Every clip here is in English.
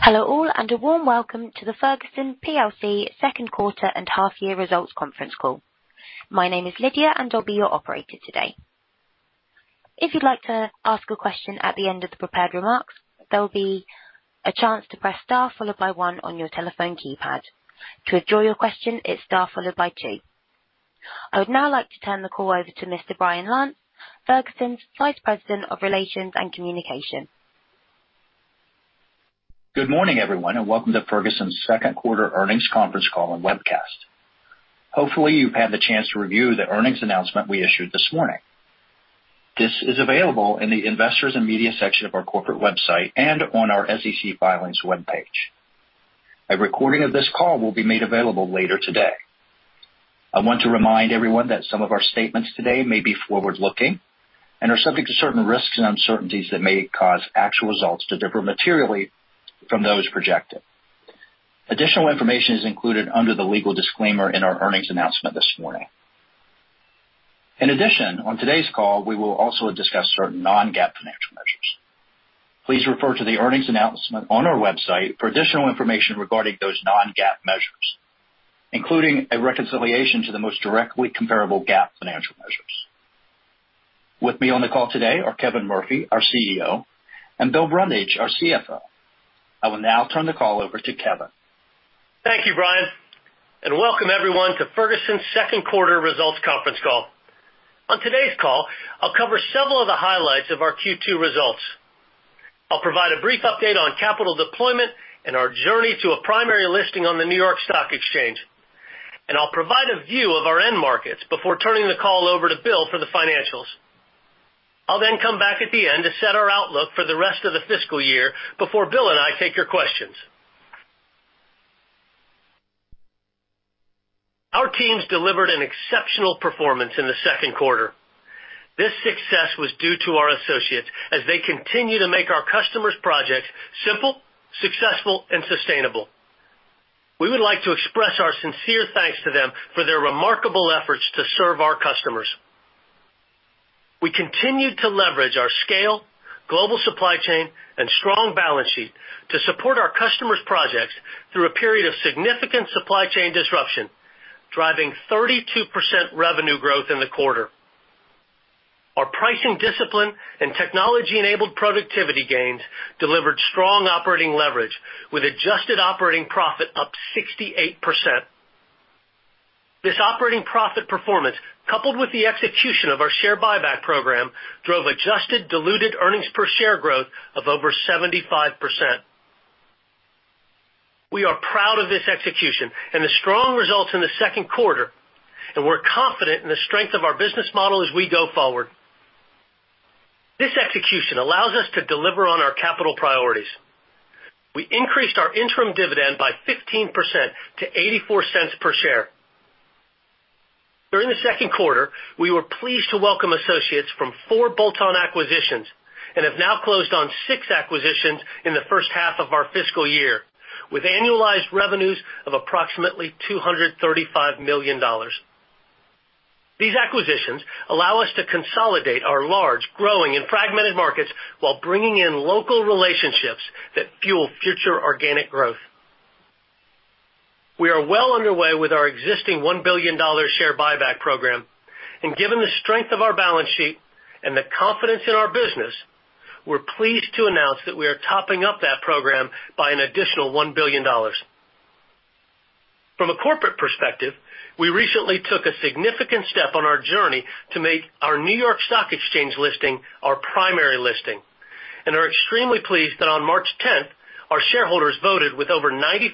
Hello all, and a warm welcome to the Ferguson plc second quarter and half year results conference call. My name is Lydia, and I'll be your operator today. If you'd like to ask a question at the end of the prepared remarks, there will be a chance to press * followed by 1 on your telephone keypad. To withdraw your question, it's * followed by 2. I would now like to turn the call over to Mr. Brian Lantz, Ferguson's Vice President of Investor Relations and Communication. Good morning, everyone, and welcome to Ferguson's second quarter earnings conference call and webcast. Hopefully, you've had the chance to review the earnings announcement we issued this morning. This is available in the investors and media section of our corporate website and on our SEC filings webpage. A recording of this call will be made available later today. I want to remind everyone that some of our statements today may be forward-looking and are subject to certain risks and uncertainties that may cause actual results to differ materially from those projected. Additional information is included under the legal disclaimer in our earnings announcement this morning. In addition, on today's call, we will also discuss certain non-GAAP financial measures. Please refer to the earnings announcement on our website for additional information regarding those non-GAAP measures, including a reconciliation to the most directly comparable GAAP financial measures. With me on the call today are Kevin Murphy, our CEO, and Bill Brundage, our CFO. I will now turn the call over to Kevin. Thank you, Brian, and welcome everyone to Ferguson's second quarter results conference call. On today's call, I'll cover several of the highlights of our Q2 results. I'll provide a brief update on capital deployment and our journey to a primary listing on the New York Stock Exchange, and I'll provide a view of our end markets before turning the call over to Bill for the financials. I'll then come back at the end to set our outlook for the rest of the fiscal year before Bill and I take your questions. Our teams delivered an exceptional performance in the second quarter. This success was due to our associates as they continue to make our customers' projects simple, successful and sustainable. We would like to express our sincere thanks to them for their remarkable efforts to serve our customers. We continued to leverage our scale, global supply chain, and strong balance sheet to support our customers' projects through a period of significant supply chain disruption, driving 32% revenue growth in the quarter. Our pricing discipline and technology-enabled productivity gains delivered strong operating leverage with adjusted operating profit up 68%. This operating profit performance, coupled with the execution of our share buyback program, drove adjusted diluted earnings per share growth of over 75%. We are proud of this execution and the strong results in the second quarter, and we're confident in the strength of our business model as we go forward. This execution allows us to deliver on our capital priorities. We increased our interim dividend by 15% to $0.84 per share. During the second quarter, we were pleased to welcome associates from 4 bolt-on acquisitions and have now closed on 6 acquisitions in the first half of our fiscal year, with annualized revenues of approximately $235 million. These acquisitions allow us to consolidate our large, growing and fragmented markets while bringing in local relationships that fuel future organic growth. We are well underway with our existing $1 billion share buyback program, and given the strength of our balance sheet and the confidence in our business, we're pleased to announce that we are topping up that program by an additional $1 billion. From a corporate perspective, we recently took a significant step on our journey to make our New York Stock Exchange listing our primary listing and are extremely pleased that on March 10, our shareholders voted with over 95%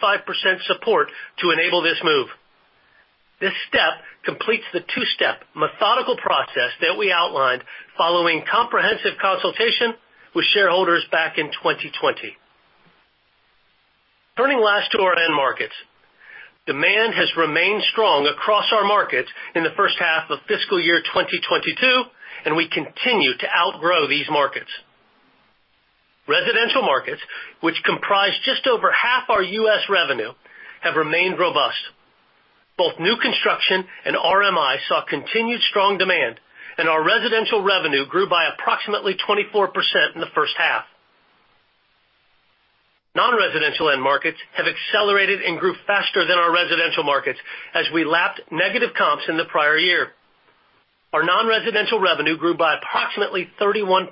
support to enable this move. This step completes the two-step methodical process that we outlined following comprehensive consultation with shareholders back in 2020. Turning last to our end markets. Demand has remained strong across our markets in the first half of fiscal year 2022, and we continue to outgrow these markets. Residential markets, which comprise just over half our U.S. revenue, have remained robust. Both new construction and RMI saw continued strong demand, and our residential revenue grew by approximately 24% in the first half. Non-residential end markets have accelerated and grew faster than our residential markets as we lapped negative comps in the prior year. Our non-residential revenue grew by approximately 31%,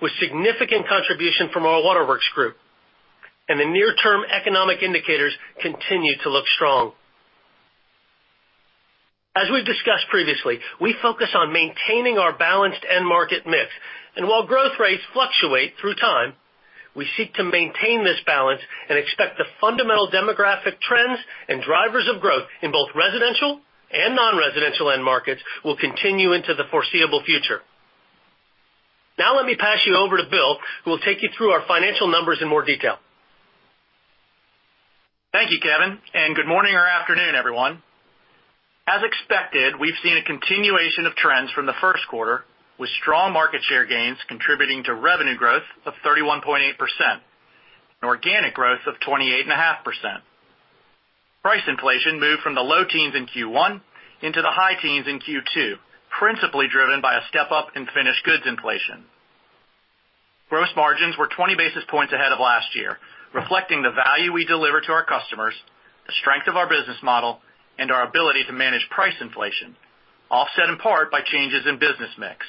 with significant contribution from our Waterworks group, and the near-term economic indicators continue to look strong. As we've discussed previously, we focus on maintaining our balanced end market mix. While growth rates fluctuate through time, we seek to maintain this balance and expect the fundamental demographic trends and drivers of growth in both residential and non-residential end markets will continue into the foreseeable future. Now let me pass you over to Bill, who will take you through our financial numbers in more detail. Thank you, Kevin, and good morning or afternoon, everyone. As expected, we've seen a continuation of trends from the first quarter, with strong market share gains contributing to revenue growth of 31.8% and organic growth of 28.5%. Price inflation moved from the low teens% in Q1 into the high teens% in Q2, principally driven by a step up in finished goods inflation. Gross margins were 20 basis points ahead of last year, reflecting the value we deliver to our customers, the strength of our business model, and our ability to manage price inflation, offset in part by changes in business mix.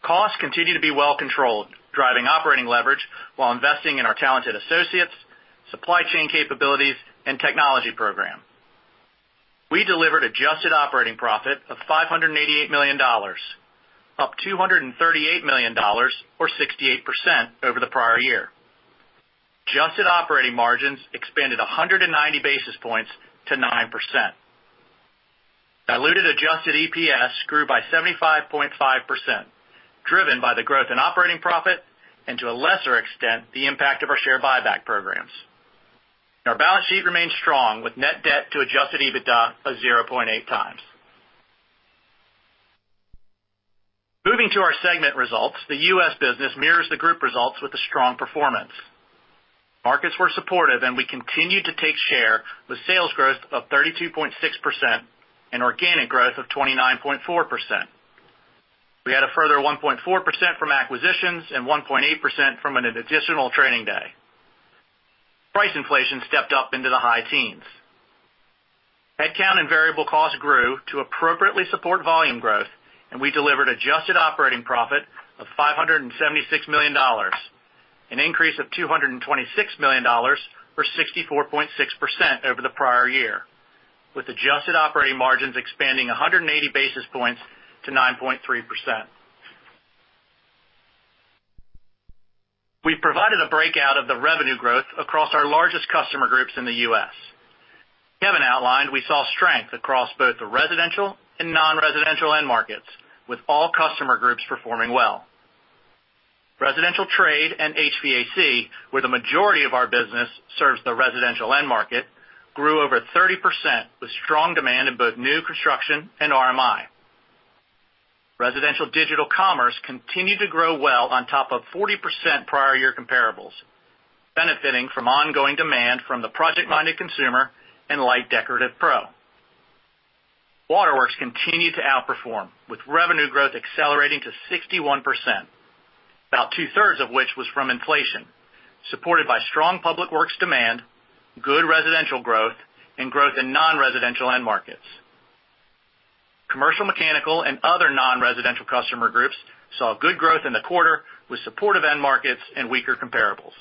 Costs continue to be well-controlled, driving operating leverage while investing in our talented associates, supply chain capabilities, and technology program. We delivered adjusted operating profit of $588 million, up $238 million or 68% over the prior year. Adjusted operating margins expanded 190 basis points to 9%. Diluted adjusted EPS grew by 75.5%, driven by the growth in operating profit and, to a lesser extent, the impact of our share buyback programs. Our balance sheet remains strong, with net debt to adjusted EBITDA of 0.8 times. Moving to our segment results, the U.S. business mirrors the group results with a strong performance. Markets were supportive, and we continued to take share with sales growth of 32.6% and organic growth of 29.4%. We had a further 1.4% from acquisitions and 1.8% from an additional trading day. Price inflation stepped up into the high teens. Headcount and variable costs grew to appropriately support volume growth, and we delivered adjusted operating profit of $576 million, an increase of $226 million or 64.6% over the prior year, with adjusted operating margins expanding 180 basis points to 9.3%. We provided a breakout of the revenue growth across our largest customer groups in the U.S. Kevin outlined we saw strength across both the residential and non-residential end markets, with all customer groups performing well. Residential trade and HVAC, where the majority of our business serves the residential end market, grew over 30% with strong demand in both new construction and RMI. Residential digital commerce continued to grow well on top of 40% prior year comparables, benefiting from ongoing demand from the project-minded consumer and light decorative pro. Waterworks continued to outperform with revenue growth accelerating to 61%, about two-thirds of which was from inflation, supported by strong public works demand, good residential growth, and growth in non-residential end markets. Commercial, mechanical, and other non-residential customer groups saw good growth in the quarter with supportive end markets and weaker comparables.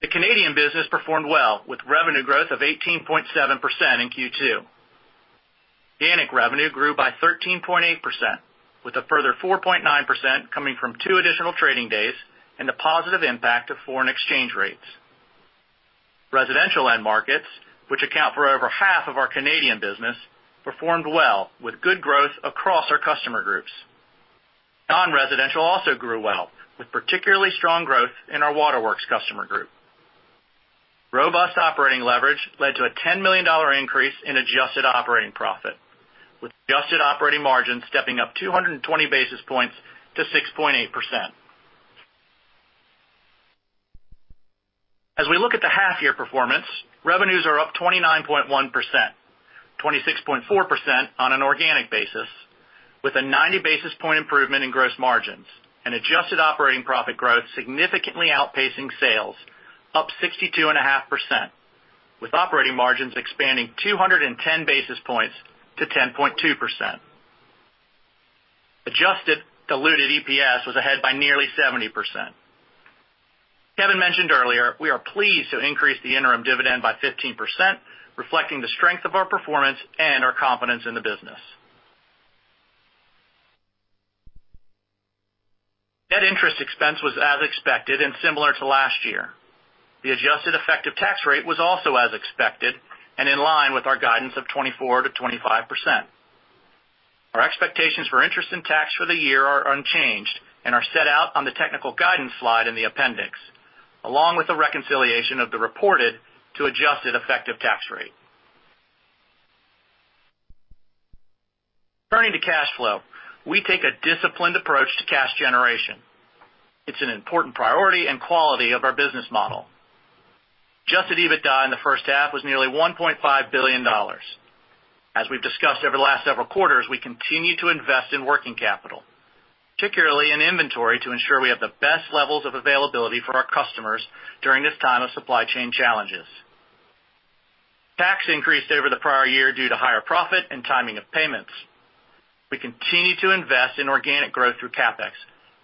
The Canadian business performed well with revenue growth of 18.7% in Q2. Organic revenue grew by 13.8% with a further 4.9% coming from 2 additional trading days and the positive impact of foreign exchange rates. Residential end markets, which account for over half of our Canadian business, performed well with good growth across our customer groups. Non-residential also grew well with particularly strong growth in our Waterworks customer group. Robust operating leverage led to a $10 million increase in adjusted operating profit, with adjusted operating margin stepping up 220 basis points to 6.8%. As we look at the half-year performance, revenues are up 29.1%, 26.4% on an organic basis, with a 90 basis point improvement in gross margins and adjusted operating profit growth significantly outpacing sales up 62.5%, with operating margins expanding 210 basis points to 10.2%. Adjusted diluted EPS was ahead by nearly 70%. Kevin mentioned earlier, we are pleased to increase the interim dividend by 15%, reflecting the strength of our performance and our confidence in the business. Net interest expense was as expected and similar to last year. The adjusted effective tax rate was also as expected and in line with our guidance of 24%-25%. Our expectations for interest and tax for the year are unchanged and are set out on the technical guidance slide in the appendix, along with a reconciliation of the reported to adjusted effective tax rate. Turning to cash flow, we take a disciplined approach to cash generation. It's an important priority and quality of our business model. Adjusted EBITDA in the first half was nearly $1.5 billion. As we've discussed over the last several quarters, we continue to invest in working capital, particularly in inventory, to ensure we have the best levels of availability for our customers during this time of supply chain challenges. Tax increased over the prior year due to higher profit and timing of payments. We continue to invest in organic growth through CapEx,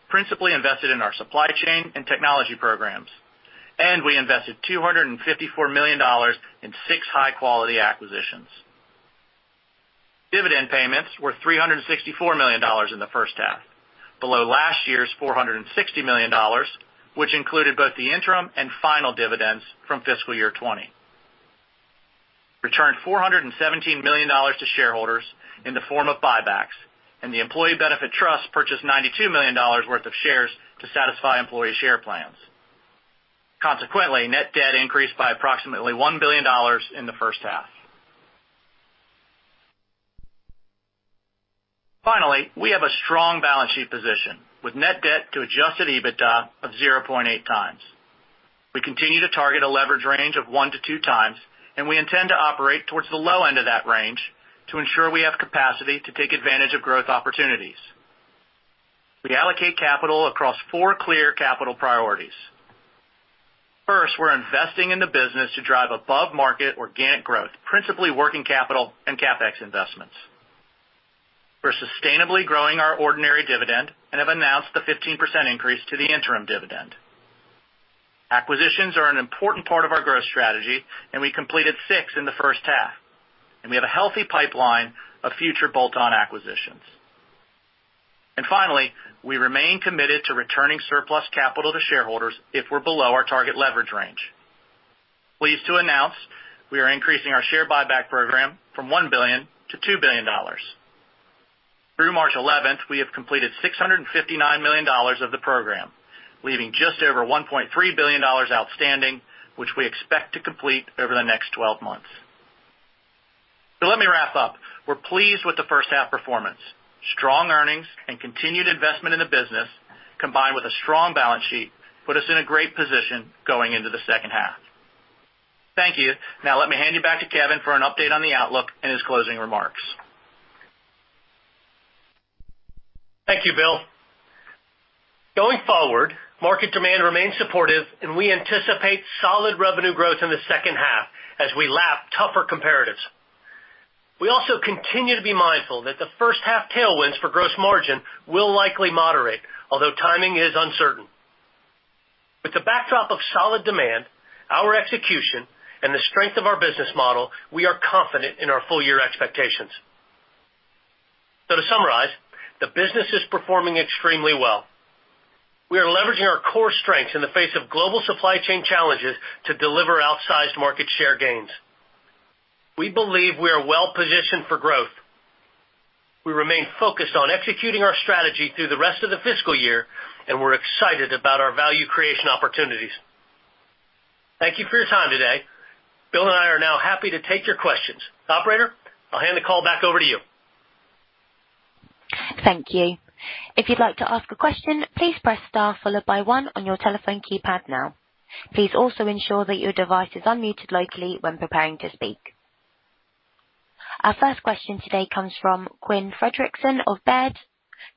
principally invested in our supply chain and technology programs. We invested $254 million in six high-quality acquisitions. Dividend payments were $364 million in the first half, below last year's $460 million, which included both the interim and final dividends from fiscal year 2020. We returned $417 million to shareholders in the form of buybacks, and the employee benefit trust purchased $92 million worth of shares to satisfy employee share plans. Consequently, net debt increased by approximately $1 billion in the first half. Finally, we have a strong balance sheet position with net debt to adjusted EBITDA of 0.8 times. We continue to target a leverage range of 1-2 times, and we intend to operate towards the low end of that range to ensure we have capacity to take advantage of growth opportunities. We allocate capital across 4 clear capital priorities. First, we're investing in the business to drive above-market organic growth, principally working capital and CapEx investments. We're sustainably growing our ordinary dividend and have announced the 15% increase to the interim dividend. Acquisitions are an important part of our growth strategy, and we completed 6 in the first half, and we have a healthy pipeline of future bolt-on acquisitions. Finally, we remain committed to returning surplus capital to shareholders if we're below our target leverage range. Pleased to announce we are increasing our share buyback program from $1 billion-$2 billion. Through March 11, we have completed $659 million of the program, leaving just over $1.3 billion outstanding, which we expect to complete over the next 12 months. Let me wrap up. We're pleased with the first half performance. Strong earnings and continued investment in the business, combined with a strong balance sheet, put us in a great position going into the second half. Thank you. Now let me hand you back to Kevin for an update on the outlook and his closing remarks. Thank you, Bill. Going forward, market demand remains supportive, and we anticipate solid revenue growth in the second half as we lap tougher comparatives. We also continue to be mindful that the first half tailwinds for gross margin will likely moderate, although timing is uncertain. With the backdrop of solid demand, our execution and the strength of our business model, we are confident in our full year expectations. To summarize, the business is performing extremely well. We are leveraging our core strengths in the face of global supply chain challenges to deliver outsized market share gains. We believe we are well positioned for growth. We remain focused on executing our strategy through the rest of the fiscal year, and we're excited about our value creation opportunities. Thank you for your time today. Bill and I are now happy to take your questions. Operator, I'll hand the call back over to you. Thank you. If you'd like to ask a question, please press * followed by 1 on your telephone keypad now. Please also ensure that your device is unmuted locally when preparing to speak. Our first question today comes from Quinn Fredrickson of Baird.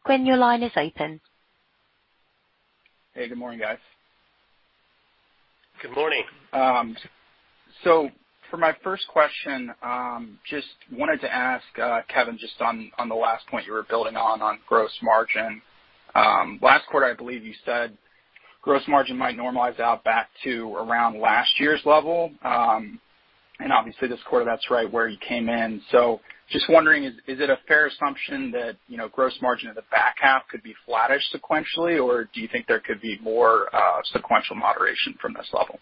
Quinn, your line is open. Hey, good morning, guys. Good morning. For my first question, just wanted to ask, Kevin, just on the last point you were building on gross margin. Last quarter, I believe you said gross margin might normalize out back to around last year's level. Obviously this quarter, that's right where you came in. Just wondering, is it a fair assumption that, you know, gross margin in the back half could be flattish sequentially? Or do you think there could be more sequential moderation from this level?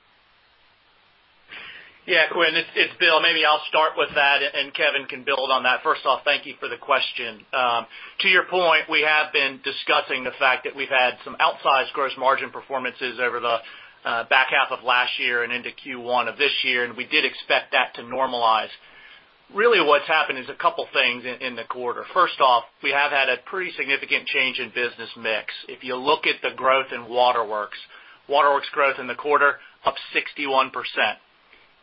Yeah, Quinn, it's Bill. Maybe I'll start with that and Kevin can build on that. First off, thank you for the question. To your point, we have been discussing the fact that we've had some outsized gross margin performances over the back half of last year and into Q1 of this year, and we did expect that to normalize. Really what's happened is a couple things in the quarter. First off, we have had a pretty significant change in business mix. If you look at the growth in Waterworks growth in the quarter up 61%.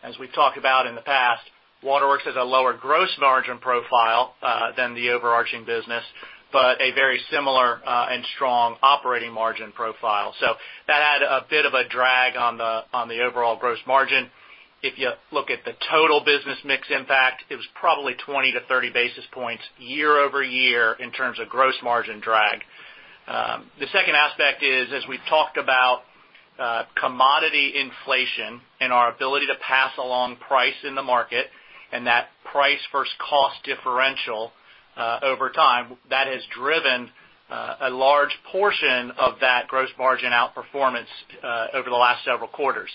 As we've talked about in the past, Waterworks has a lower gross margin profile than the overarching business, but a very similar and strong operating margin profile. So that had a bit of a drag on the overall gross margin. If you look at the total business mix impact, it was probably 20-30 basis points year-over-year in terms of gross margin drag. The second aspect is, as we've talked about, commodity inflation and our ability to pass along price in the market and that price versus cost differential, over time, that has driven a large portion of that gross margin outperformance over the last several quarters.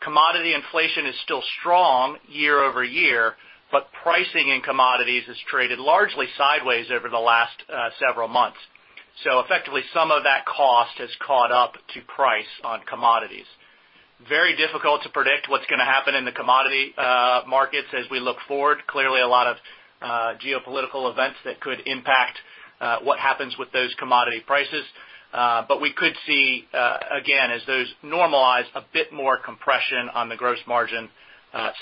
Commodity inflation is still strong year-over-year, but pricing in commodities has traded largely sideways over the last several months. Effectively, some of that cost has caught up to price on commodities. Very difficult to predict what's gonna happen in the commodity markets as we look forward. Clearly a lot of geopolitical events that could impact what happens with those commodity prices. We could see, again, as those normalize, a bit more compression on the gross margin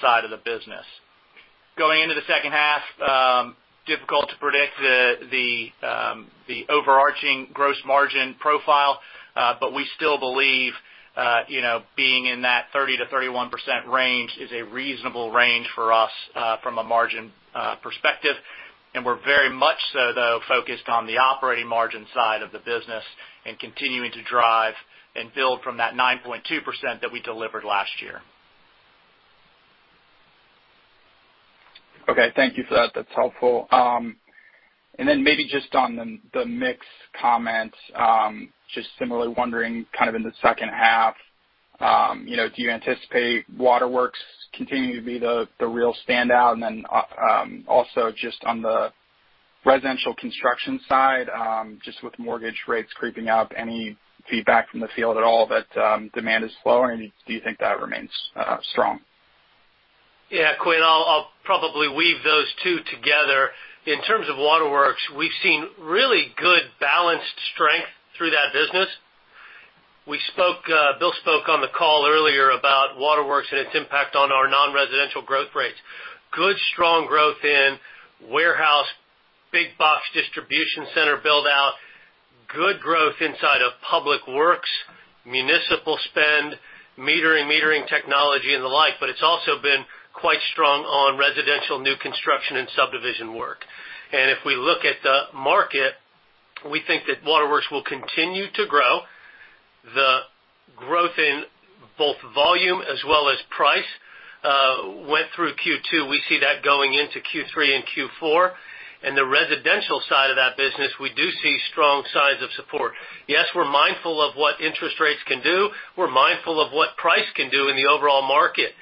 side of the business. Going into the second half, difficult to predict the overarching gross margin profile, but we still believe, you know, being in that 30%-31% range is a reasonable range for us, from a margin perspective. We're very much so, though, focused on the operating margin side of the business and continuing to drive and build from that 9.2% that we delivered last year. Okay. Thank you for that. That's helpful. Maybe just on the mix comment, just similarly wondering kind of in the second half, you know, do you anticipate Waterworks continuing to be the real standout? Also just on the residential construction side, just with mortgage rates creeping up, any feedback from the field at all that demand is slowing, or do you think that remains strong? Yeah, Quinn, I'll probably weave those two together. In terms of Waterworks, we've seen really good balanced strength through that business. We spoke, Bill spoke on the call earlier about Waterworks and its impact on our non-residential growth rates. Good, strong growth in warehouse, big box distribution center build out. Good growth inside of public works, municipal spend, metering technology and the like, but it's also been quite strong on residential new construction and subdivision work. If we look at the market, we think that Waterworks will continue to grow. The growth in both volume as well as price went through Q2. We see that going into Q3 and Q4. The residential side of that business, we do see strong signs of support. Yes, we're mindful of what interest rates can do. We're mindful of what price can do in the overall market.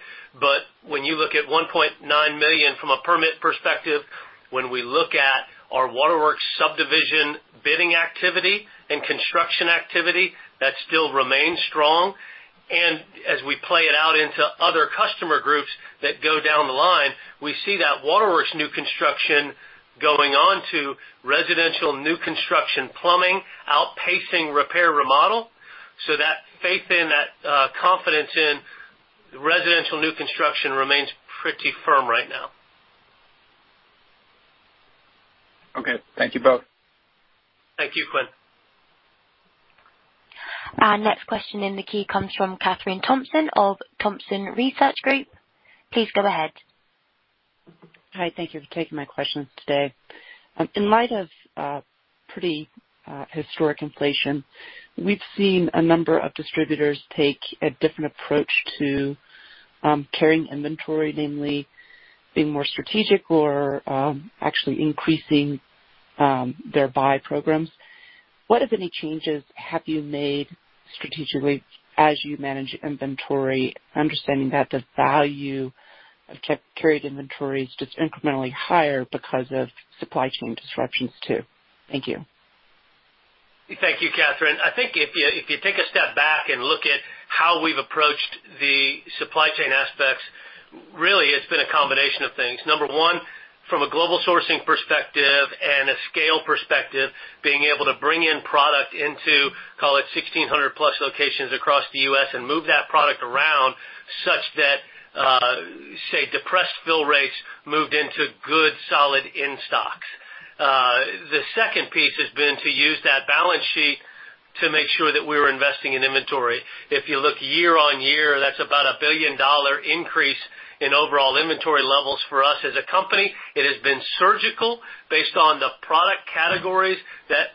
When you look at 1.9 million from a permit perspective, when we look at our Waterworks subdivision bidding activity and construction activity, that still remains strong. As we play it out into other customer groups that go down the line, we see that Waterworks new construction going on to residential new construction plumbing, outpacing repair remodel. That faith in that confidence in residential new construction remains pretty firm right now. Okay. Thank you both. Thank you, Quinn. Our next question in the queue comes from Kathryn Thompson of Thompson Research Group. Please go ahead. Hi. Thank you for taking my questions today. In light of pretty historic inflation, we've seen a number of distributors take a different approach to carrying inventory, namely being more strategic or actually increasing their buy programs. What, if any changes, have you made strategically as you manage inventory, understanding that the value of carried inventory is just incrementally higher because of supply chain disruptions, too? Thank you. Thank you, Kathryn. I think if you take a step back and look at how we've approached the supply chain aspects, really, it's been a combination of things. Number one, from a global sourcing perspective and a scale perspective, being able to bring in product into, call it 1,600+ locations across the U.S. and move that product around such that, say, depressed fill rates moved into good, solid in-stocks. The second piece has been to use that balance sheet to make sure that we were investing in inventory. If you look year-on-year, that's about a billion-dollar increase in overall inventory levels for us as a company. It has been surgical based on the product categories that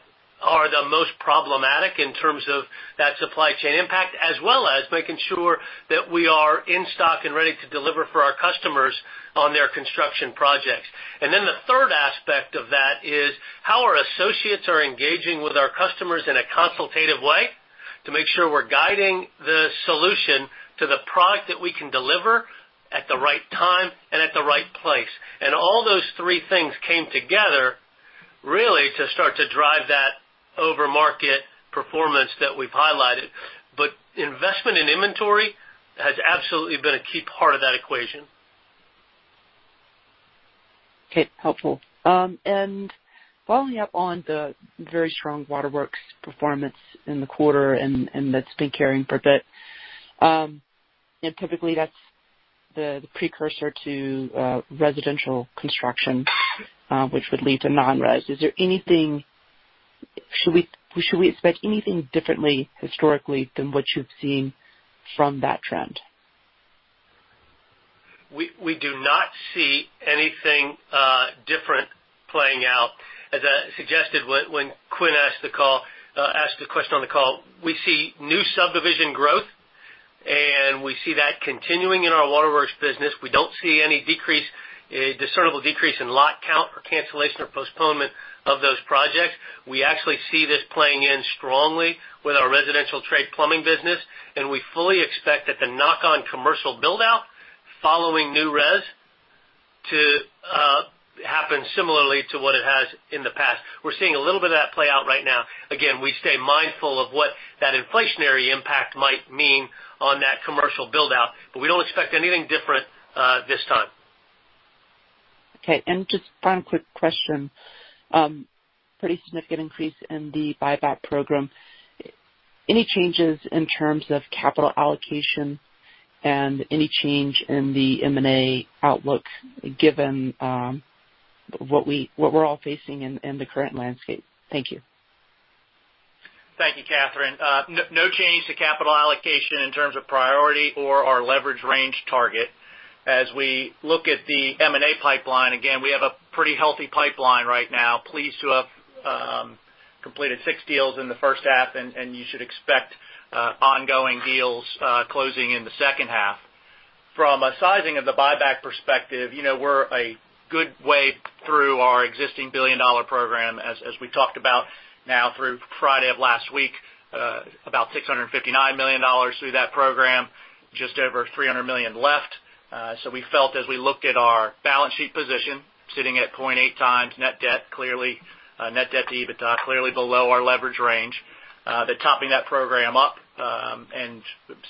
are the most problematic in terms of that supply chain impact, as well as making sure that we are in stock and ready to deliver for our customers on their construction projects. Then the third aspect of that is how our associates are engaging with our customers in a consultative way to make sure we're guiding the solution to the product that we can deliver at the right time and at the right place. All those three things came together really to start to drive that above-market performance that we've highlighted. Investment in inventory has absolutely been a key part of that equation. Okay. Helpful. Following up on the very strong Waterworks performance in the quarter, and that's been carrying for a bit, and typically that's the precursor to residential construction, which would lead to non-res. Is there anything? Should we expect anything differently historically than what you've seen from that trend? We do not see anything different playing out. As I suggested when Quinn asked a question on the call, we see new subdivision growth, and we see that continuing in our Waterworks business. We don't see any decrease, a discernible decrease in lot count or cancellation or postponement of those projects. We actually see this playing in strongly with our residential trade plumbing business, and we fully expect that the knock on commercial build out following new res to happen similarly to what it has in the past. We're seeing a little bit of that play out right now. Again, we stay mindful of what that inflationary impact might mean on that commercial build out, but we don't expect anything different this time. Okay. Just one quick question. Pretty significant increase in the buyback program. Any changes in terms of capital allocation and any change in the M&A outlook given what we're all facing in the current landscape? Thank you. Thank you, Kathryn. No change to capital allocation in terms of priority or our leverage range target. As we look at the M&A pipeline, again, we have a pretty healthy pipeline right now. Pleased to have completed 6 deals in the first half, and you should expect ongoing deals closing in the second half. From a sizing of the buyback perspective, you know, we're a good way through our existing billion-dollar program, as we talked about now through Friday of last week, about $659 million through that program, just over $300 million left. So we felt as we looked at our balance sheet position, sitting at 0.8x net debt, clearly net debt to EBITDA, clearly below our leverage range, that topping that program up.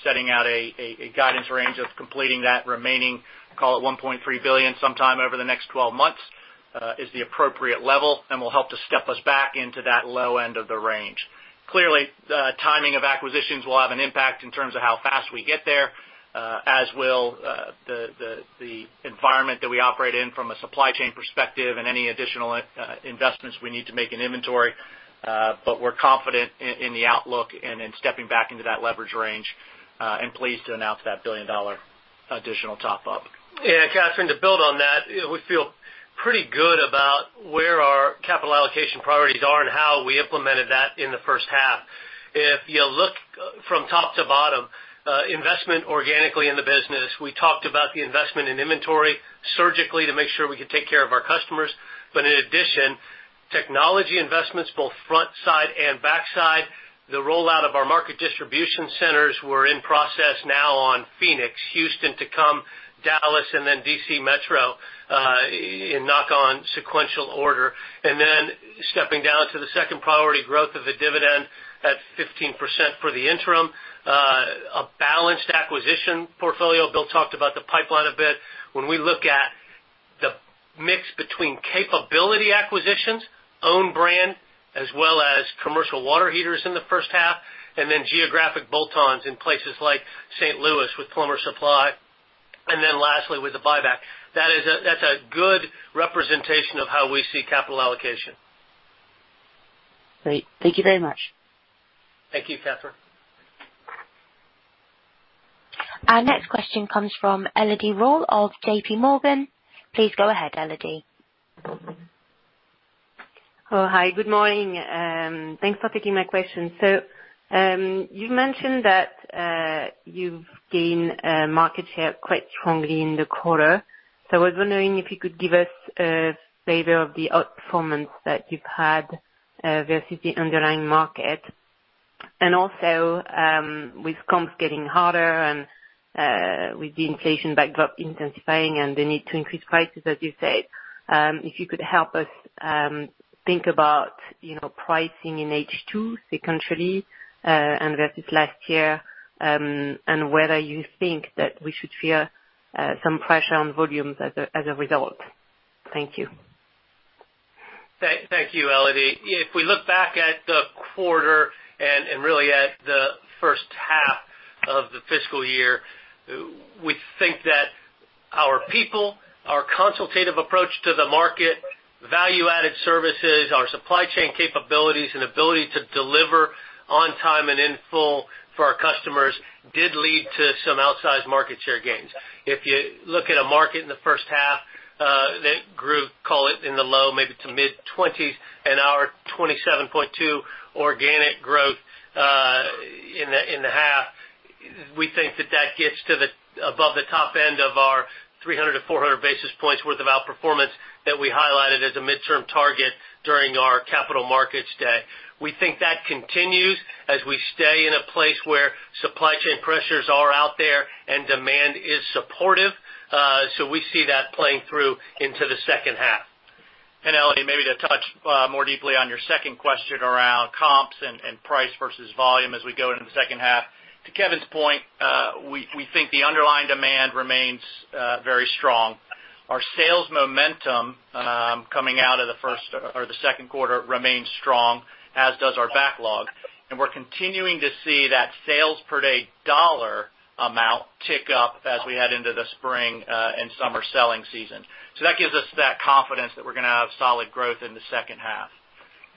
Setting out a guidance range of completing that remaining, call it $1.3 billion sometime over the next 12 months, is the appropriate level and will help to step us back into that low end of the range. Clearly, the timing of acquisitions will have an impact in terms of how fast we get there, as will the environment that we operate in from a supply chain perspective and any additional investments we need to make in inventory. We're confident in the outlook and in stepping back into that leverage range, and pleased to announce that billion-dollar additional top up. Yeah, Kathryn, to build on that, we feel pretty good about where our capital allocation priorities are and how we implemented that in the first half. If you look from top to bottom, investment organically in the business, we talked about the investment in inventory surgically to make sure we could take care of our customers. In addition, technology investments, both front side and back side, the rollout of our market distribution centers were in process now on Phoenix, Houston to come, Dallas, and then D.C. Metro, in knock on sequential order. Then stepping down to the second priority growth of the dividend at 15% for the interim. A balanced acquisition portfolio. Bill talked about the pipeline a bit. When we look at the mix between capability acquisitions, own brand, as well as commercial water heaters in the first half, and then geographic bolt-ons in places like St. Louis with Plumbers' Supply Co., lastly with the buyback, that's a good representation of how we see capital allocation. Great. Thank you very much. Thank you, Kathryn. Our next question comes from Elodie Rall of JP Morgan. Please go ahead, Elodie. Oh, hi, good morning, thanks for taking my question. You've mentioned that you've gained market share quite strongly in the quarter. I was wondering if you could give us a flavor of the outperformance that you've had versus the underlying market. With comps getting harder and with the inflation backdrop intensifying and the need to increase prices, as you said, if you could help us think about, you know, pricing in H2 sequentially and versus last year, and whether you think that we should fear some pressure on volumes as a result. Thank you. Thank you, Elodie. If we look back at the quarter and really at the first half of the fiscal year, we think that our people, our consultative approach to the market, value-added services, our supply chain capabilities and ability to deliver on time and in full for our customers did lead to some outsized market share gains. If you look at a market in the first half that grew, call it in the low maybe to mid-20s and our 27.2 organic growth in the half, we think that that gets to above the top end of our 300-400 basis points worth of outperformance that we highlighted as a midterm target during our Capital Markets Day. We think that continues as we stay in a place where supply chain pressures are out there and demand is supportive. We see that playing through into the second half. Elodie, maybe to touch more deeply on your second question around comps and price versus volume as we go into the second half. To Kevin's point, we think the underlying demand remains very strong. Our sales momentum coming out of the first or the second quarter remains strong, as does our backlog. We're continuing to see that sales per day dollar amount tick up as we head into the spring and summer selling season. That gives us that confidence that we're gonna have solid growth in the second half.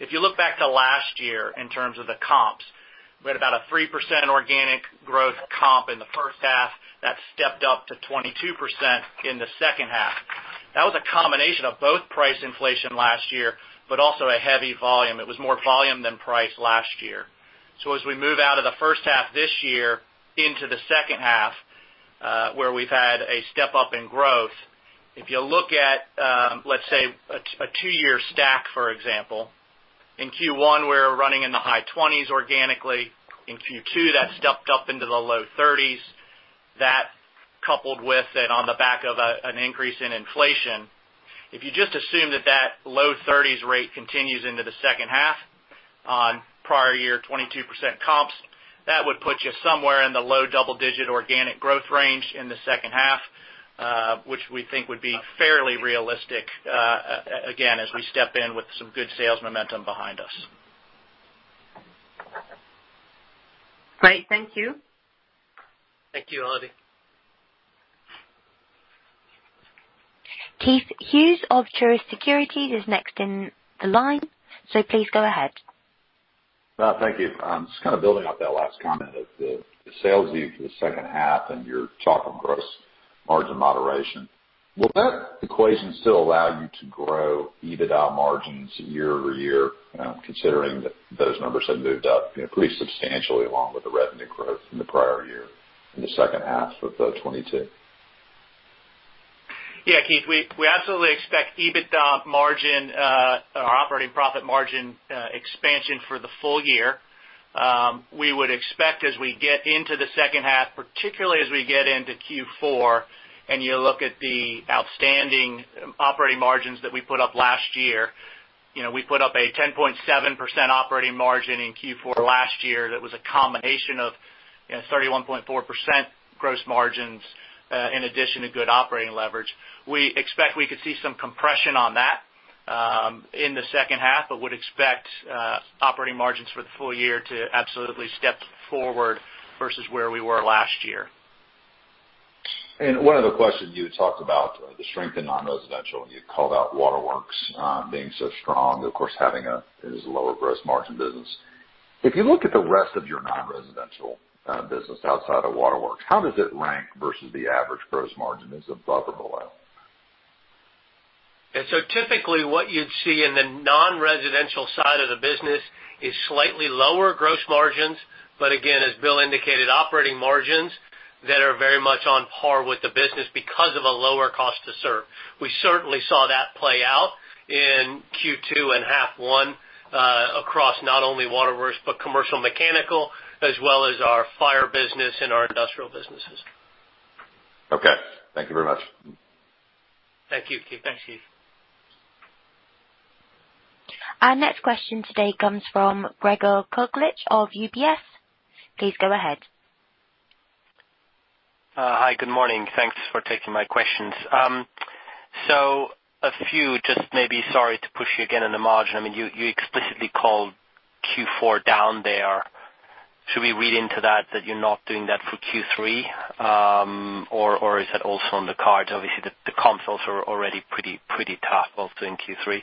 If you look back to last year in terms of the comps, we had about a 3% organic growth comp in the first half that stepped up to 22% in the second half. That was a combination of both price inflation last year, but also a heavy volume. It was more volume than price last year. As we move out of the first half this year into the second half, where we've had a step up in growth, if you look at, let's say a two-year stack, for example, in Q1, we're running in the high 20s organically. In Q2, that stepped up into the low 30s. That coupled with and on the back of an increase in inflation, if you just assume that low 30s rate continues into the second half on prior year 22% comps, that would put you somewhere in the low double-digit organic growth range in the second half, which we think would be fairly realistic again, as we step in with some good sales momentum behind us. Great. Thank you. Thank you, Elodie. Keith Hughes of Truist Securities is next in line. Please go ahead. Thank you. Just kind of building off that last comment of the sales view for the second half and your talk on gross margin moderation. Will that equation still allow you to grow EBITDA margins year-over-year? Considering that those numbers have moved up, you know, pretty substantially along with the revenue growth from the prior year in the second half of 2022. Yeah, Keith, we absolutely expect EBITDA margin, our operating profit margin, expansion for the full year. We would expect as we get into the second half, particularly as we get into Q4, and you look at the outstanding operating margins that we put up last year. You know, we put up a 10.7% operating margin in Q4 last year. That was a combination of, you know, 31.4% gross margins in addition to good operating leverage. We expect we could see some compression on that in the second half, but would expect operating margins for the full year to absolutely step forward versus where we were last year. One other question. You talked about the strength in non-residential, and you called out Waterworks being so strong, of course, it is a lower gross margin business. If you look at the rest of your non-residential business outside of Waterworks, how does it rank versus the average gross margin? Is above or below? Typically what you'd see in the non-residential side of the business is slightly lower gross margins. Again, as Bill indicated, operating margins that are very much on par with the business because of a lower cost to serve. We certainly saw that play out in Q2 and half one across not only Waterworks but commercial mechanical as well as our fire business and our industrial businesses. Okay. Thank you very much. Thank you, Keith. Thanks, Keith. Our next question today comes from Gregor Kuglitsch of UBS. Please go ahead. Hi, good morning. Thanks for taking my questions. A few, just maybe sorry to push you again on the margin. I mean, you explicitly called Q4 down there. Should we read into that you're not doing that for Q3, or is that also on the cards? Obviously, the comps are already pretty tough also in Q3.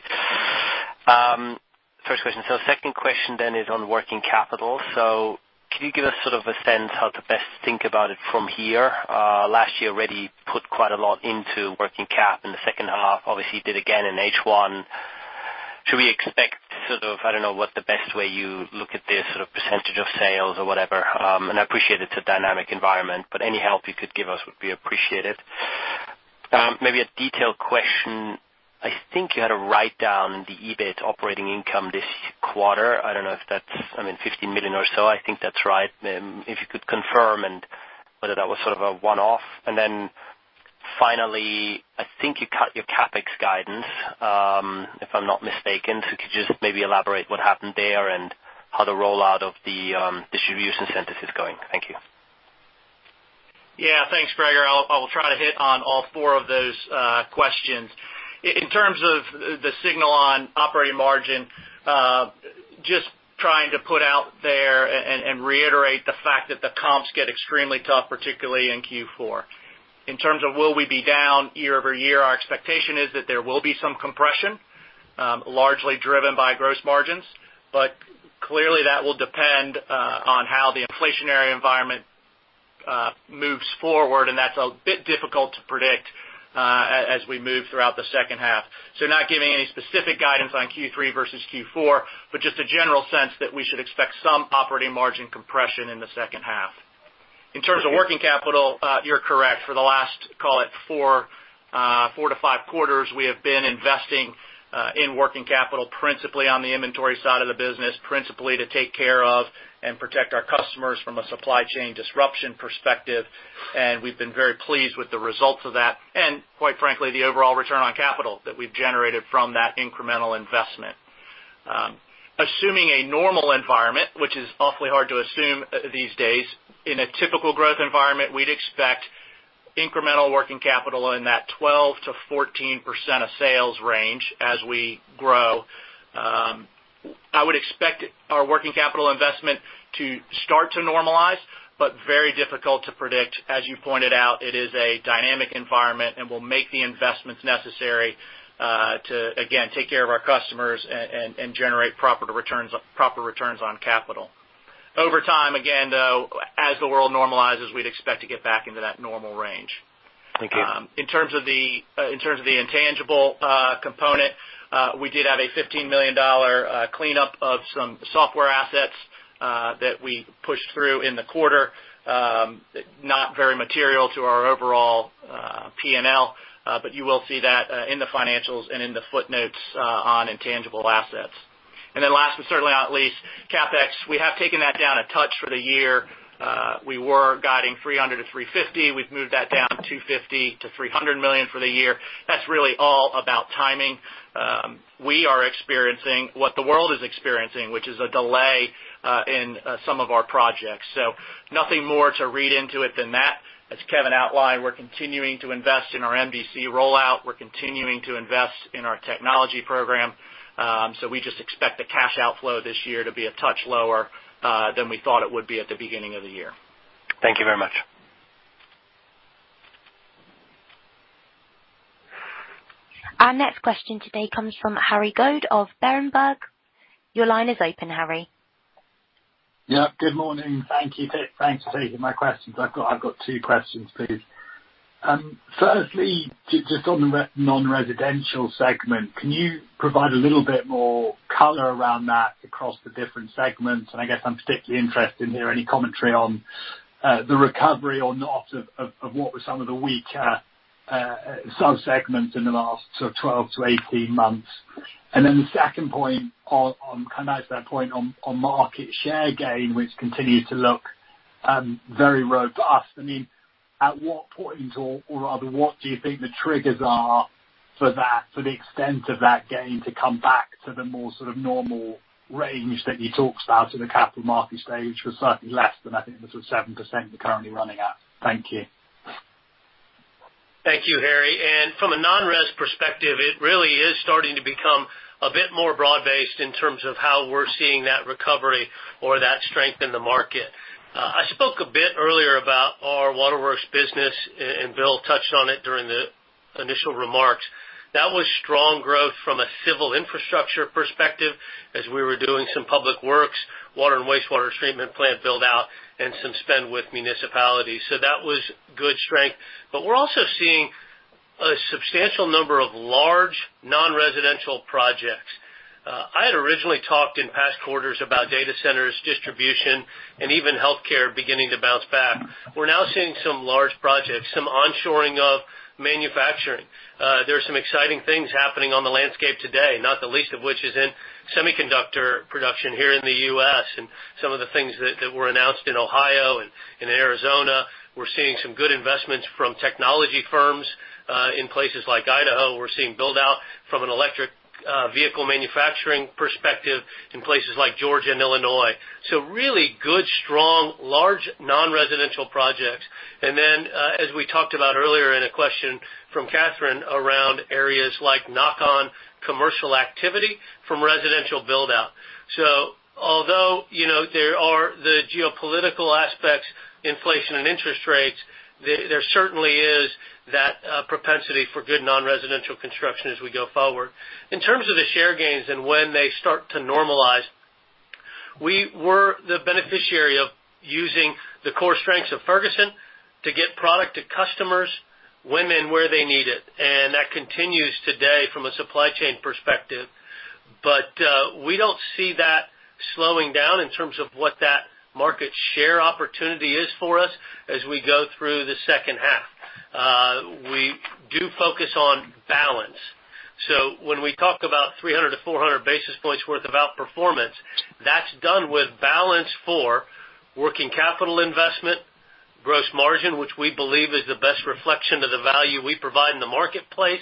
First question. Second question then is on working capital. Can you give us sort of a sense how to best think about it from here? Last year already put quite a lot into working cap in the second half. Obviously did again in H1. Should we expect sort of, I don't know, what the best way you look at this sort of percentage of sales or whatever? I appreciate it's a dynamic environment, but any help you could give us would be appreciated. Maybe a detailed question. I think you had a write down the EBIT operating income this quarter. I don't know if that's, I mean, $15 million or so. I think that's right. If you could confirm and whether that was sort of a one-off. Then finally, I think you cut your CapEx guidance, if I'm not mistaken. Could you just maybe elaborate what happened there and how the rollout of the distribution centers is going? Thank you. Yeah. Thanks, Gregor. I'll try to hit on all four of those questions. In terms of the signal on operating margin, just trying to put out there and reiterate the fact that the comps get extremely tough, particularly in Q4. In terms of will we be down year-over-year, our expectation is that there will be some compression, largely driven by gross margins. Clearly that will depend on how the inflationary environment moves forward, and that's a bit difficult to predict, as we move throughout the second half. Not giving any specific guidance on Q3 versus Q4, but just a general sense that we should expect some operating margin compression in the second half. In terms of working capital, you're correct. For the last, call it 4-5 quarters, we have been investing in working capital principally on the inventory side of the business, principally to take care of and protect our customers from a supply chain disruption perspective. We've been very pleased with the results of that and quite frankly, the overall return on capital that we've generated from that incremental investment. Assuming a normal environment, which is awfully hard to assume these days, in a typical growth environment, we'd expect incremental working capital in that 12%-14% of sales range as we grow. I would expect our working capital investment to start to normalize, but very difficult to predict. As you pointed out, it is a dynamic environment, and we'll make the investments necessary to again, take care of our customers and generate proper returns on capital. Over time, again, though, as the world normalizes, we'd expect to get back into that normal range. Thank you. In terms of the intangible component, we did have a $15 million cleanup of some software assets that we pushed through in the quarter. Not very material to our overall P&L, but you will see that in the financials and in the footnotes on intangible assets. Then last but certainly not least, CapEx. We have taken that down a touch for the year. We were guiding $300 million-$350 million. We've moved that down to $250 million-$300 million for the year. That's really all about timing. We are experiencing what the world is experiencing, which is a delay in some of our projects. Nothing more to read into it than that. As Kevin outlined, we're continuing to invest in our MDC rollout. We're continuing to invest in our technology program. We just expect the cash outflow this year to be a touch lower than we thought it would be at the beginning of the year. Thank you very much. Our next question today comes from Harry Goad of Berenberg. Your line is open, Harry. Yeah, good morning. Thank you. Thanks for taking my questions. I've got two questions, please. First, just on the non-residential segment, can you provide a little bit more color around that across the different segments? I guess I'm particularly interested to hear any commentary on the recovery or not of what were some of the weaker sub-segments in the last sort of 12-18 months. The second point on kind of as that point on market share gain, which continues to look- Very robust. I mean, at what point, or rather, what do you think the triggers are for that, for the extent of that gain to come back to the more sort of normal range that you talked about in the Capital Markets Day was certainly less than I think the sort of 7% we're currently running at. Thank you. Thank you, Harry. From a non-res perspective, it really is starting to become a bit more broad-based in terms of how we're seeing that recovery or that strength in the market. I spoke a bit earlier about our Waterworks business, and Bill touched on it during the initial remarks. That was strong growth from a civil infrastructure perspective as we were doing some public works, water and wastewater treatment plant build out and some spend with municipalities. That was good strength. We're also seeing a substantial number of large non-residential projects. I had originally talked in past quarters about data centers, distribution, and even healthcare beginning to bounce back. We're now seeing some large projects, some onshoring of manufacturing. There are some exciting things happening on the landscape today, not the least of which is in semiconductor production here in the U.S. and some of the things that were announced in Ohio and in Arizona. We're seeing some good investments from technology firms in places like Idaho. We're seeing build out from an electric vehicle manufacturing perspective in places like Georgia and Illinois. Really good, strong, large non-residential projects. As we talked about earlier in a question from Kathryn around areas like knock-on commercial activity from residential build out. Although, you know, there are the geopolitical aspects, inflation and interest rates, there certainly is that propensity for good non-residential construction as we go forward. In terms of the share gains and when they start to normalize, we were the beneficiary of using the core strengths of Ferguson to get product to customers when and where they need it, and that continues today from a supply chain perspective. We don't see that slowing down in terms of what that market share opportunity is for us as we go through the second half. We do focus on balance. When we talk about 300-400 basis points worth of outperformance, that's done with balance for working capital investment, gross margin, which we believe is the best reflection of the value we provide in the marketplace, and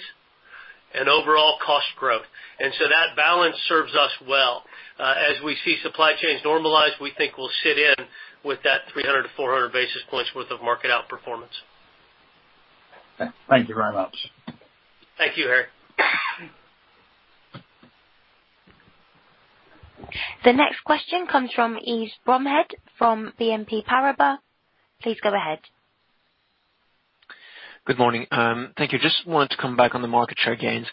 overall cost growth. That balance serves us well. As we see supply chains normalize, we think we'll sit in with that 300-400 basis points worth of market outperformance. Thank you very much. Thank you, Harry. The next question comes from Yves Bromehead from BNP Paribas. Please go ahead. Good morning. Thank you. Just wanted to come back on the market share gains.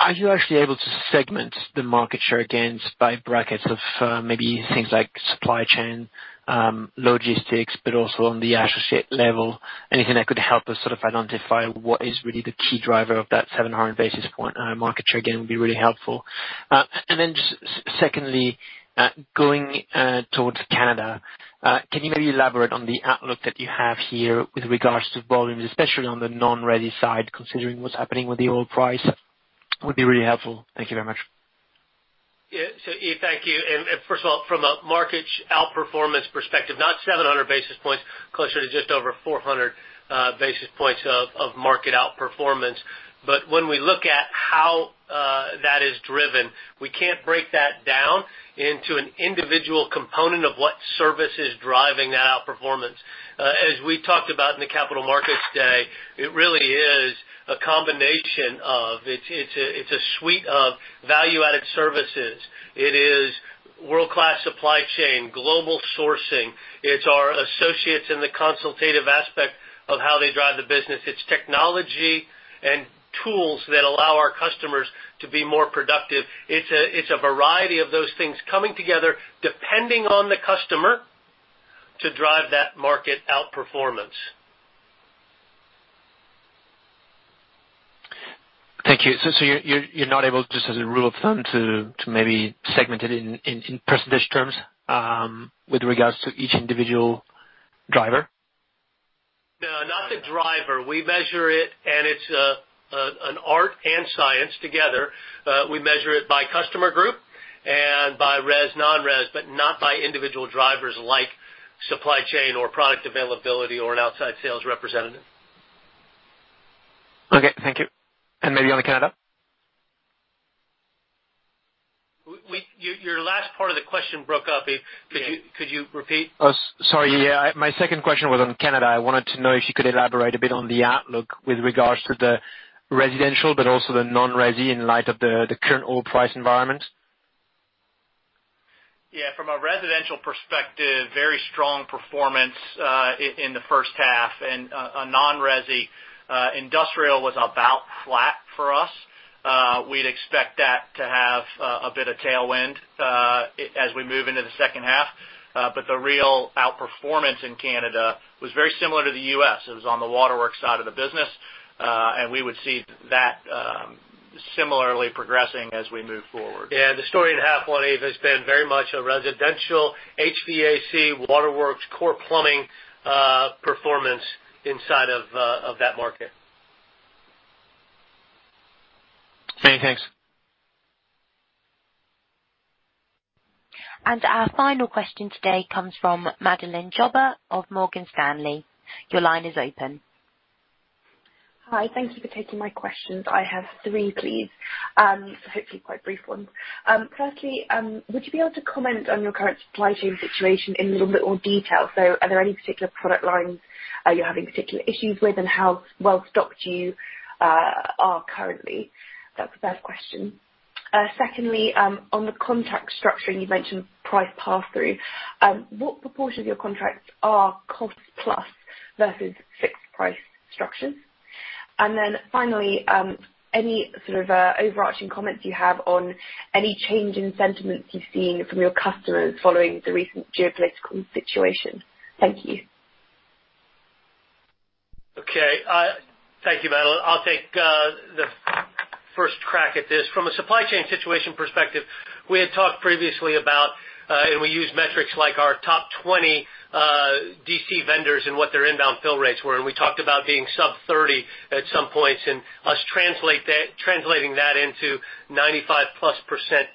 Are you actually able to segment the market share gains by brackets of, maybe things like supply chain, logistics, but also on the associate level? Anything that could help us sort of identify what is really the key driver of that 700 basis point, market share gain would be really helpful. Then just secondly, going towards Canada, can you maybe elaborate on the outlook that you have here with regards to volumes, especially on the non-resi side, considering what's happening with the oil price? Would be really helpful. Thank you very much. Yeah. Yves, thank you. First of all, from a market outperformance perspective, not 700 basis points, closer to just over 400 basis points of market outperformance. When we look at how that is driven, we can't break that down into an individual component of what service is driving that outperformance. As we talked about in the Capital Markets Day, it really is a combination of, it's a suite of value-added services. It is world-class supply chain, global sourcing. It's our associates in the consultative aspect of how they drive the business. It's technology and tools that allow our customers to be more productive. It's a variety of those things coming together, depending on the customer to drive that market outperformance. Thank you. You're not able, just as a rule of thumb, to maybe segment it in percentage terms, with regards to each individual driver? No, not the driver. We measure it, and it's an art and science together. We measure it by customer group and by res/non-res, but not by individual drivers like supply chain or product availability or an outside sales representative. Okay, thank you. Maybe on Canada. Your last part of the question broke up, Yves. Could you repeat? Oh, sorry. Yeah, my second question was on Canada. I wanted to know if you could elaborate a bit on the outlook with regards to the residential, but also the non-resi in light of the current oil price environment. Yeah. From a residential perspective, very strong performance in the first half. On non-resi, industrial was about flat for us. We'd expect that to have a bit of tailwind as we move into the second half. The real outperformance in Canada was very similar to the U.S. It was on the Waterworks side of the business, and we would see that similarly progressing as we move forward. Yeah. The story in half, Yves, has been very much a residential HVAC, Waterworks, core plumbing, performance inside of that market. Okay, thanks. Our final question today comes from Madeline Jobber of Morgan Stanley. Your line is open. Hi. Thank you for taking my questions. I have three, please. Hopefully quite brief ones. Firstly, would you be able to comment on your current supply chain situation in a little bit more detail? Are there any particular product lines, you're having particular issues with and how well-stocked you, are currently? That's the first question. Secondly, on the contract structuring, you mentioned price pass-through. What proportion of your contracts are cost plus versus fixed price structures? Finally, any sort of, overarching comments you have on any change in sentiments you've seen from your customers following the recent geopolitical situation. Thank you. Okay. Thank you, Madeline. I'll take the first crack at this. From a supply chain situation perspective, we had talked previously about and we used metrics like our top 20 DC vendors and what their inbound fill rates were, and we talked about being sub 30 at some points and translating that into 95%+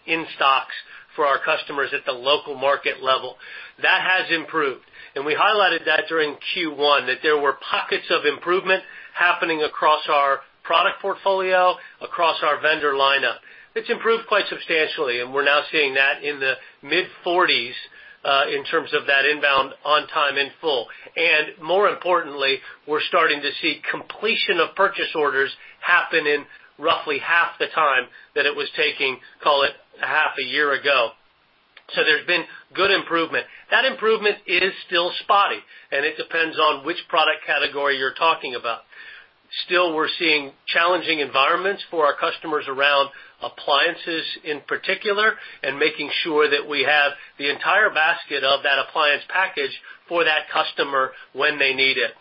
in stocks for our customers at the local market level. That has improved. We highlighted that during Q1, that there were pockets of improvement happening across our product portfolio, across our vendor lineup. It's improved quite substantially, and we're now seeing that in the mid-40s in terms of that inbound on time in full. More importantly, we're starting to see completion of purchase orders happen in roughly half the time that it was taking, call it half a year ago. There's been good improvement. That improvement is still spotty, and it depends on which product category you're talking about. Still, we're seeing challenging environments for our customers around appliances in particular, and making sure that we have the entire basket of that appliance package for that customer when they need it.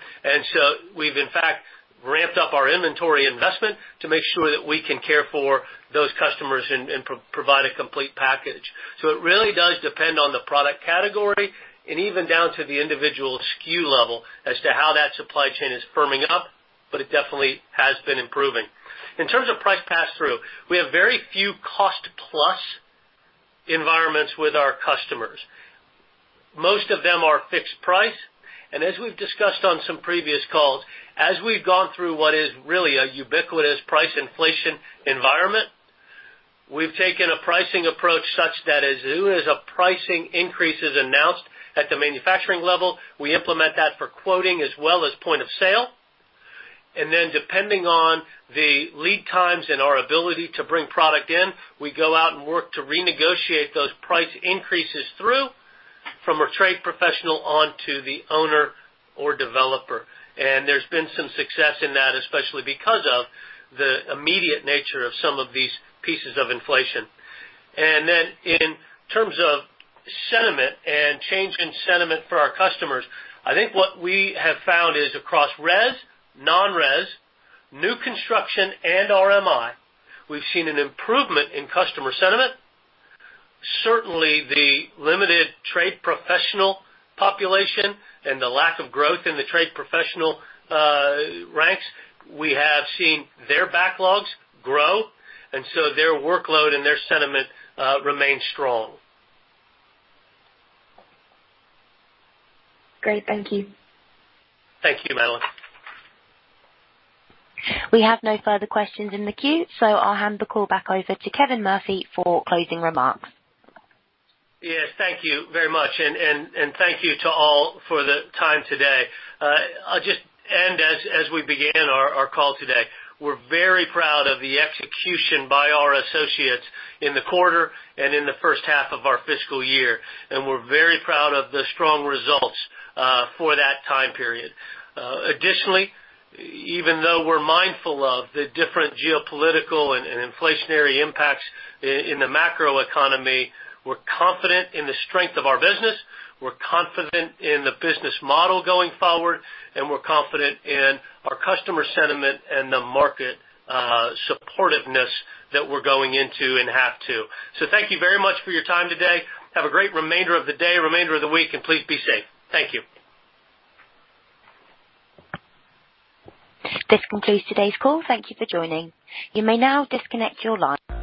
We've in fact ramped up our inventory investment to make sure that we can care for those customers and provide a complete package. It really does depend on the product category and even down to the individual SKU level as to how that supply chain is firming up, but it definitely has been improving. In terms of price pass-through, we have very few cost plus environments with our customers. Most of them are fixed price, and as we've discussed on some previous calls, as we've gone through what is really a ubiquitous price inflation environment, we've taken a pricing approach such that as soon as a pricing increase is announced at the manufacturing level, we implement that for quoting as well as point of sale. Depending on the lead times and our ability to bring product in, we go out and work to renegotiate those price increases through from a trade professional on to the owner or developer. There's been some success in that, especially because of the immediate nature of some of these pieces of inflation. In terms of sentiment and change in sentiment for our customers, I think what we have found is across res, non-res, new construction and RMI, we've seen an improvement in customer sentiment. Certainly the limited trade professional population and the lack of growth in the trade professional ranks, we have seen their backlogs grow, and so their workload and their sentiment remain strong. Great. Thank you. Thank you, Madeline. We have no further questions in the queue, so I'll hand the call back over to Kevin Murphy for closing remarks. Yes, thank you very much. Thank you to all for the time today. I'll just end as we began our call today. We're very proud of the execution by our associates in the quarter and in the first half of our fiscal year. We're very proud of the strong results for that time period. Additionally, even though we're mindful of the different geopolitical and inflationary impacts in the macro economy, we're confident in the strength of our business. We're confident in the business model going forward, and we're confident in our customer sentiment and the market supportiveness that we're going into and have too. Thank you very much for your time today. Have a great remainder of the day, remainder of the week, and please be safe. Thank you. This concludes today's call. Thank you for joining. You may now disconnect your line.